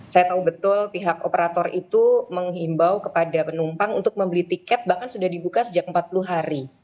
saya tahu betul pihak operator itu menghimbau kepada penumpang untuk membeli tiket bahkan sudah dibuka sejak empat puluh hari